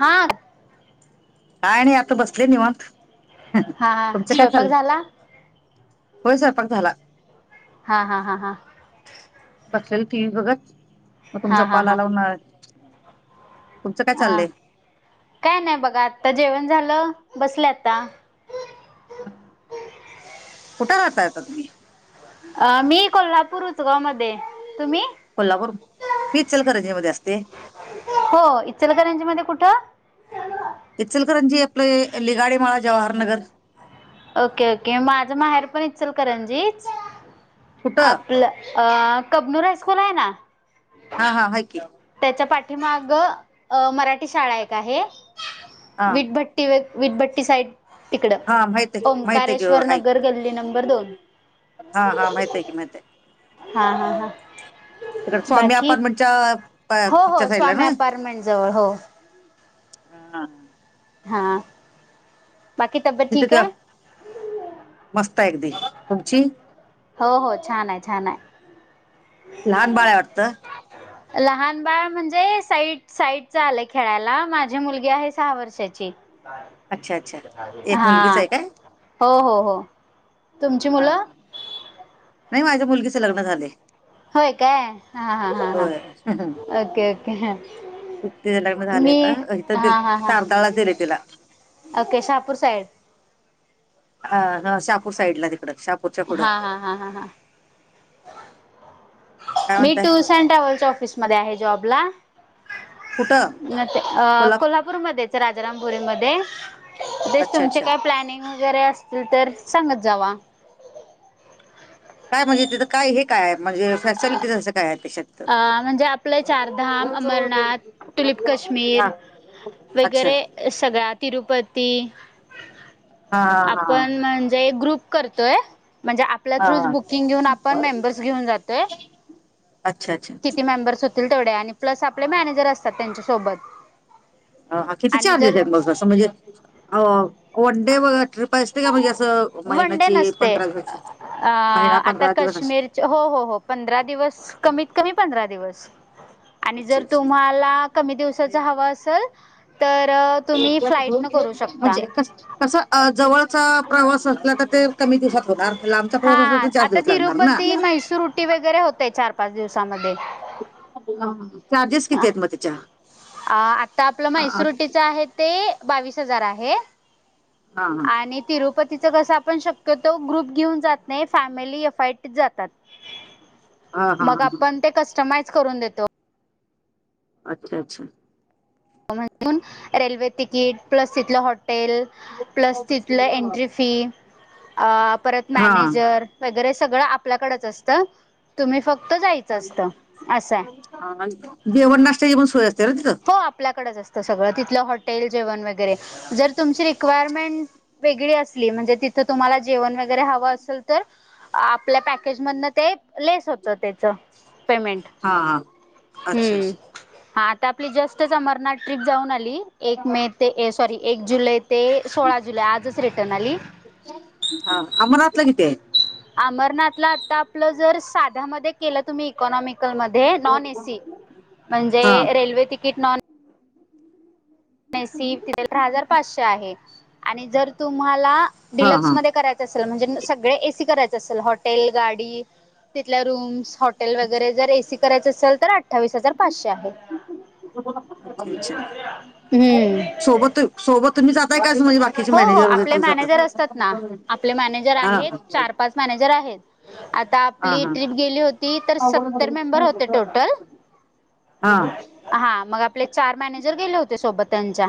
हा. काय नाही आता बसले निवांत हा हा तुमचं काय स्वयंपाक चाललंय? झाला होय स्वयंपाक झाला हा हा हा हा. बसलेलो टी व्ही बघत मग हा तुमचा हा कॉल हा आला म्हणून आय तुमचं काय हा चाललंय? काय नाही बघा आता जेवण झालं बसले आता. कुठं राहता येता तम्ही? अ मी कोल्हापूर उतवा मध्ये तुम्ही? कोल्हापूर मी इचलकरंजी मध्ये असते. हो इचलकरंजी मध्ये कुठं? इचलकरंजी आपले लिगाडी माळा जवाहरनगर. ओके ओके माझं माहेर पण इचलकरंजीच. कुठं आपलं अ कबनूर हायस्कूल आहे ना हा हा हाय की. त्याचा पाठीमागं अ मराठी शाळा एक आहे विटभट्ट तिवेक विटभट्टी साईड तिकडं हा माहित आहे की, माहित आहे की हो, ओंकारेश्वर हाय की. नगर गल्ली नंबर दोन. हा हा माहिती आहे की माहित आहे. हा हा हा. तिकडे स्वामी बाकी अपार्टमेंटच्या हो हो च्या साईडला स्वामी ना अपार्टमेंट जवळ हो. हा हा बाकी तब्येत तिथे ठीक त्या आहे. मस्त आहे अगदी तुमची? हो हो छान आहे छान आहे. लहान बाळ आहे वाटतं? लहान बाळ म्हणजे साईट साईटचं आलं खेळायला माझी मुलगी आहे सहा वर्षाची. अच्छा अच्छा एक मुलगीच हां. आहे काय हो हो हो तुमची हा मुलं? नाही. माझ्या मुलगीचे लग्न झालंय. होय काय? हा हा हा हं, होय ओके ओके हं. तिचं लग्न झालंय आता, इथंच दिलं हा हा तारदाळला दिलंय तिला. ओके. शहापूर साईड- अं हं शहापूर साईडला तिकडं शहापू हां हां हां हां. काय मी म्हणताय टूर्स अँड ट्रॅव्हल्सच्या ऑफिस मध्ये आहे जॉब ला. कुठं म ते अं कोल्हा कोल्हापूरमध्येच राजारामपुरीमध्ये जे अच्छा तुमचे अच्छा काय प्लॅनिंग वगैरे असतील तर सांगत जावा. काय म्हणजे? तिथं काय हे काय म्हणजे फॅसिलिटीज असं काय आहे त्याच्यात? अ म्हणजे आपलं चारधाम, वरच वर ते अमरनाथ, टुलिप हां. अच्छा. सगळ्या तिरुपती, हा हा हा आपण म्हणजे ग्रुप करतोय. म्हणजे आपल्या हा थ्रूच हा बुकिंग घेऊन आपण मेंबर्स घेऊन जातोय. अच्छा अच्छा. किती मेंबर्स होतील तेवढे. आणि प्लस आपले मॅनेजर असतात त्यांच्यासोबत. हं हा किती चार्जेस आहेत मग असं म्हणजे? अं वन डे व ट्रिप असते का? म्हणजे असं महिन्याची, पंधरा दिवसाची अं महिना आता पंधरा दिवस अशी कश्मीर हो हो हो पंधरा दिवस, कमीत कमी पंधरा दिवस. आणि अच्छा जर अच्छा तुम्हाला कमी दिवसाचं हवं असंल तरं वट गहू घे. म्हणजे कसं अं कस जवळच प्रवास तर ते कमी दिवसात होणार. लांबचा हा प्रवास असेल तर चार दिवस लागणार ना? ते वगैरे होतय चार पाच दिवसांमध्ये. चार्जेस अं किती आहेत मग त्याच्या आ आता आपलं अ, अ, म्हैसूर उटीत च आहे ते बावीस हजार आहे. हा हा आणि तिरुपतीच तिथं कसं आपण शक्यतो ग्रुप घेऊन जात नाही. फॅमिली एफ आय टी जातात. हा हा हा मग हा. आपण ते कस्टमाइज करून देतो. अच्छा अच्छा. म्हणून रेल्वे तिकीट प्लस तिथलं हॉटेल- टेरेस प्लस, तिथलं एंट्री फी अं परत हा मॅनेजर तर हे सगळं आपल्याकडेच असतं. तुम्ही फक्त जायचं असतं असय. हा, आणि जेवण नाश्त्याची पण सोय असते ना तिथं हो आपल्याकडेच असत सगळं तिथलं हॉटेल जेवण वगैरे, जर तुमची रिक्वायरमेंट वेगळी असली म्हणजे, तिथं तुम्हाला जेवण वगैरे हवं असल तर आपल्या पॅकेजमधन ते लेस होतं. तर त्याचं पेमेंट, हा हा अच्छा हं अच्छा आता आपली जस्ट तेच अमरनाथ ट्रीप जाऊन आली. एक मे ते ए सॉरी एक जुलै ते सोळा जुलै आजच रिटर्न आली. हां, अमरनाथला किती हाय? अमरनाथला आता आपलं जर साध्यामध्ये केलं तुम्ही इकॉनॉमिकल मध्ये नॉन एसी म्हणजे हा रेल्वे तिकट नॉन सीट तेरा हजार पाचशे आहे. आणि जर तुम्हाला हा डिलक्स हा मध्ये करायचं तसं म्हणजे सगळे एसी करायचं असेल हॉटेल, गाडी, तिथल्या रूम्स हॉटेल वगैरे जर ए सी करायचं असेल तर अठ्ठावीस हजार पाचशे आहे. अच्छा, हम्म सोबत सोबत तुम्ही जाताय का अस म्हणजे बा हो हो आपले मॅनेजर असतात ना, आपले मॅनेजर हा आहेत, हा चार पाच मॅनेजर आहेत, आता हा आपली हा ट्रीप गेली होती तर सत्तर मेंबर होते टोटल हां हां मग आपले चार मॅनेजर गेले होते सोबत त्यांच्या.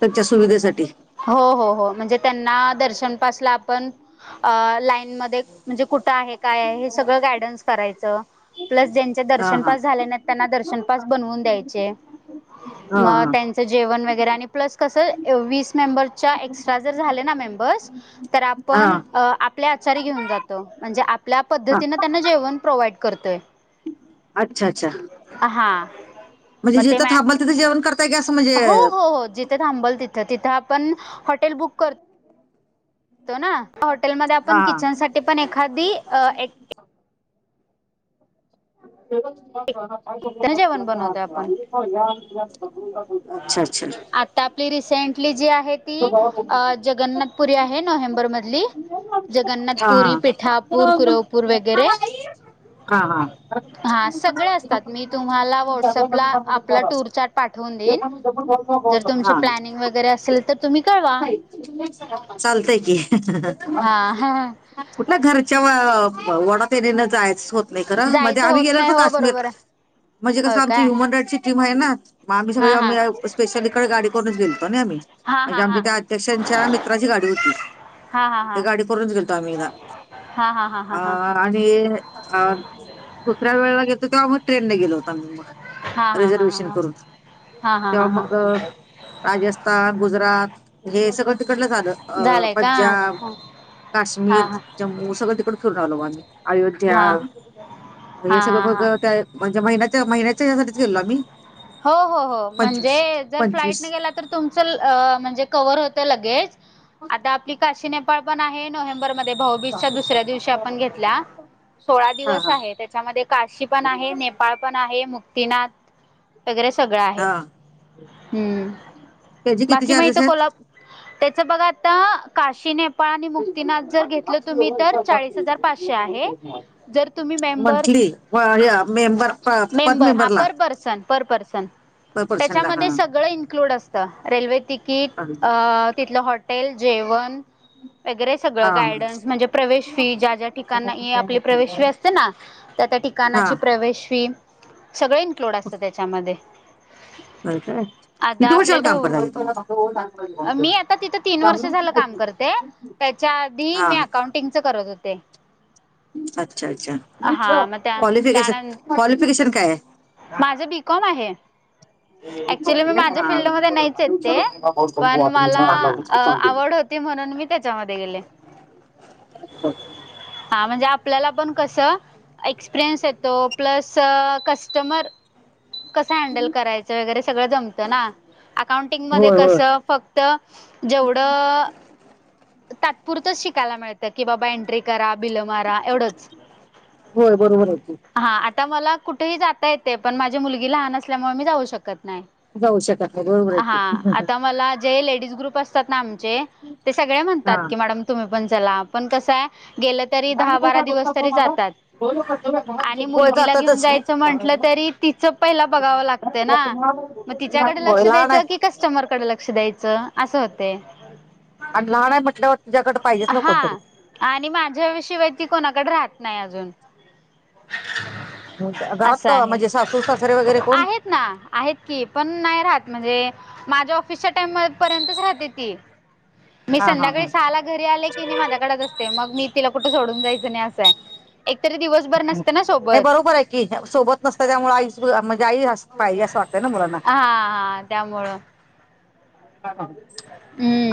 त्यांच्या सुविधेसाठी? हो हो हो म्हणजे त्यांना दर्शन पासला आपण अ लाईनमध्ये म्हणजे कुठं आहेत काय आहे हे सगळं गायडन्स करायचं, प्लस ज्यांचे हा दर्शन हा पास झाले नाही त्यांना दर्शन पास बनवून द्यायचे, हा मग हा त्यां जेवण वगैरे आणि प्लस कसं वीस मेंबरच्या एक्स्ट्रा जर झाले ना मेंबर्स तर हा आपण आपले आचारी घेऊन जातो, म्हणजे आपल्या हा पद्धतीनं त्यांना जेवण प्रोवाइड करतोय. अच्छा, अच्छा. ह हा. म्हजे मग ते जिथं मॅ थांबल तिथं जेवण करताय की असं म्हजे जिथं थांबल तिथं, तिथं आपण हॉटेल बुक कर तो ना, हॉटेलमध्ये हा आपण हा. किचन साठी पण एखादी एक [inaudible] जेवण बनवतो आपण अच्छा अच्छा. तिथं आपली रिसेंटली जी आहे ती हा हा अ जगन्नाथपुरी आहे नोव्हेंबर मधली जगन्नाथपुरी हां. पिठापूर कुरवपूर वगैरे हां हां. की तुम्हाला व्हाट्सअप ला आपला टूर चार्ट पाठवून देईन, जर तुमचे प्लॅनिंग वगैरे असेल तर तुम्ही कळवा. चालतय की. हा हा कुठलं घरच्या व वडा तनिन जायचच होत नाही खरं, मध्ये जायचं आम्ही होत नाही गेलोतो हो बरोबर काश्मीरला, आहे म्हणजे कसं हो आमची काय ह्युमन राईटची टीम आहे ना, म आम्ही सगळे हा हा आम्ही स्पेशल इकडे गाडी करूनच गेलतो नाही आम्ही हा म्हणजे हा हा आमच्या त्या अध्यक्षांच्या मित्राची गाडी होती हा हा हा ते गाडी करूनच गेलतो आम्ही येकदा हा हा हा हा हा आणि अ दुसऱ्या वेळेला गेलतो तेंव्हा मग ट्रेनने गेलो होतो आम्ही हा म हा हा रिझर्वेशन हा करून, हा हा तेव्हा हा हा मग राजस्थान गुजरात हे सगळं तिकडलंच आलं अ झालंय का पंजाब हा काशमीर, हा जमू सगळं तिकड फिरून आलो म आम्ही, अयोध्या हा हा हे हा सगळं हा म्हणजे मग महिन्याच्या महिन्या हो हो म्हणजे पंचवीस जर फ्लाईटने पंचवीस गेला तर तुमचं म्हणजे कवर होतय लगेच, आता आपली कशी, नेपाळ पण आहे नोव्हेंबर मध्ये भाऊबीजच्या दुसऱ्या दिवशी आपण घेतल्या सोळा हा दिवस हा. आहे, त्याच्यामध्ये काशी पण आहे, नेपाळ पण आहे, मुक्तीनाथ वगैरे सगळं आहे, हा हम्म त्याचे किती बाकी म हीत चार्जेस आहेत कोल्हापूर त्याचं बघा आता काशी ने पाळ आणि मुक्तीनाथ जर घेतल तुम्ही तर चाळीस हजार पाचशे आहे जर तुम्ही मेंबर्स मंथली व हे मेंबर पर मेंबर हा मेंबरला per person per person. Per person ला हा. त्याच्यामध्ये सगळं इन्क्लूड असतं रेल्वे तिकीट तिथलं हॉट हॉटेल जेवण वगैरे सगळं हा गायडन्स म्हणजे प्रवेश फी ज्या ज्या ठिकाण आपली प्रवेश फी असते ना त्या त्या हा ठिकाणाची प्रवेश फी सगळं इन्क्लूड असतं त्याच्यामध्ये बरं काय? आता किती आपल्या वर्षाला काम ढऊ करता तुम्ही? मी आता तिथं तीन वर्ष झालं काम करते. त्याच्या आधी हा मी अकाउंटिंग च करत होते. अच्छा अच्छा हा मग त्या क्वालिफिकेशन क्वालिफिकेशन काय हाय? माझे बी कॉम आहे. ऍक्चुली मी माझ्या फिल्डमध्ये नाहीच आहेत ते पण मला अ आवड हो ती म्हणून मी त्याच्यामध्ये गेले. अच्छा हा म्हणजे आपल्याला पण कस एक्सपिरयन्स येतो प्लस क स्टमर कसं हँडल करायचं वगैरे सगळं जमतं ना अकाउंटिंग मध्ये होय होय कसं फ क्त तर जेवढं तात्पुरतचं शिकायला मिळतं की बाबा एंट्री करा बिलं मारा एवढचं होय बरोबर आहे की हा आता मला कुठेही जात ता येते पण माझी मुलगी लहान असल्यामुळे मी जाऊ शकत नाही. जाऊ शकत नाही बरोबर आहेे हा की आता मला जे लेडीज ग्रुप असतात ना आमचे ते सगळे म्हणतात हा की मॅडम तुम्ही पण चला पण कसं हाय गेलं तरी दहा-बारा दिवस तरी जातात आणि होय मुलगीला घेऊन जातातच की जायचं म्हटलं तरी तिचं पहिला बघावं लागतं ना मग तिच्याकडे होय लक्ष लहान द्यायच आहे कि कस्टमरकडे लक्ष द्यायचं? असं होतय आणि लहान आहे म्हटल्यावर तिच्याकडे पाहिजेच ना कोण हा तरी आणि माझ्या शिवाय ती कोणाकडे राहत नाही अजून घरात असं आहे म्हणजे सासू सासरे वगैरे कोण? आहेत ना आहेत की पण नाही राहत म्हणजे माझ्या ऑफिसच्या टाइम पर्यंतच राहते ती. मी हा हा हा संध्याकाळी सहाला घरी आले की नाही माझ्याकडच असते मग मी तिला कुठे सोडून जायचं नाही असंय एकतरी दिवस नाही बरोबर आहे की सोबत नसत्या त्यामुळे आई म्हणजे आई पाहिजे असं वाटतय ना मुलांना. हा हा त्यामुळं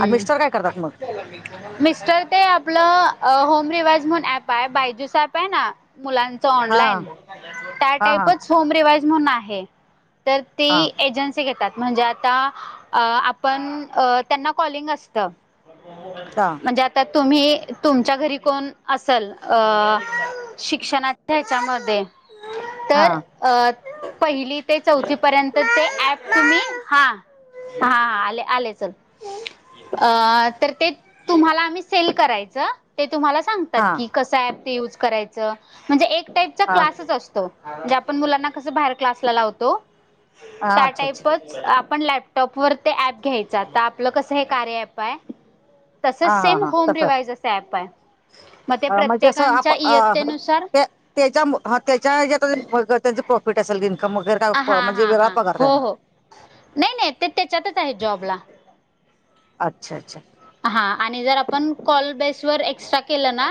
आणि मिस्टर काय करतात मग मिस्टर ते आपलं होम रिवइज म्हणून ऍप आहे बायजूस ऍप आहे ना मुलांच चं हा ऑनलाईन त्या हा हा टाइपच होम रीवाइज म्हणून आहे तर ते हा एजन न्सि घेतात म्हणजे आता आपण त्यांना कॉलिंग असतं अच्छा म्हणजे आता तुम्ही तुमच्या घरी कोण असल अं शिक्षणाच्या ह्याच्यामध्ये हा तर अ पहिली ते चौथी पर्यंतचे ऍप तुम्ही हा हा हा आले आलेच. अ तर ते तुम्हाला आम्ही सेल करायचं ते तुम्हाला सांगतात हा की कसं ऍप ते यूज करायचं म्हणजे एक टाईपचा हा क्लासच असतो. म्हणजे आपण मुलांना कसं बाहेर क्लासला लावतो हा त्या अच्छा अच्छा टाईपच आपण लॅप टॉप वर ते ॲप घ्यायचा आता आपलं कसं हे कार्य ॲप आहे. तसच हा हा सेम हा होम तसं रिव्हाइज असं ऍप आहे मग ते म्हणजे असं आप प्रत्येकांच्या अ इयत्तेनुसार ते त्याच्या ह त्याच्या ह्याच्यात [inaudible] त्याच प्रॉफिट असेल हा काहीतरी [unintelligible] म्हणजे हा वेगळा हा पगार हो देणारं. हो नाही नाही ते त्याच्यातच आहे जॉबला. अच्छा अच्छा हा आणि जर आपण कॉल बेस वर एक्स्ट्रा केलं ना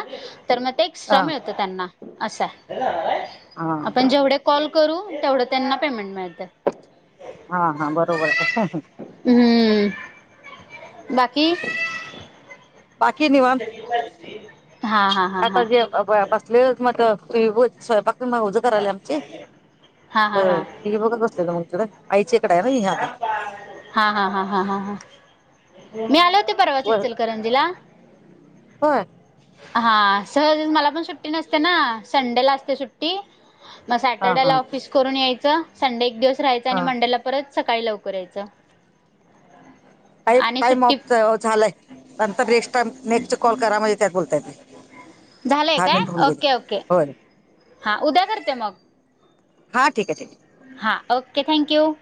तर मग ते- एक्स्ट्रा हा मिळत त्यांना अस आहे हा आपण जेवढे कॉल करू तेवढं त्यांना पेमेंट मिळतं हा हा बरोबर आहे [inaudible] हम बाकी बाकी निवांत हा हा हा हा आता जेव. यापासले म तही स्वयंपाक मग उजं करायला आमचे हा अ हा हा हा टीव्ही बघत बसलेलो मग इकडं आईची इकडे आहे ना हहा हा हा हा हा हा ह मी आले होते - परवाच होय इचलकरंजीला होय हा सहज मला पण सुट्टी नसते ना संडेला असते सुट्टी. मग हा सॅटर्डेला ला हा ऑफिस करून यायचं संडे एक दिवस राहायच आणि हा मंडे ला - परत सकाळी लवकर यायचं. का आणि टाईम सुट्टी ऑफ झालाय नंतर नेक्स्ट टाइम नेक्स्ट कॉल करा म्हणजे त्यात बोलता येतं. झालंय काय ओके ओके हा उद्या करते मग. हा ठीक ये ठीक ये. हा ओके थँक्यू.